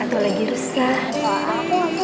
atau lagi rusak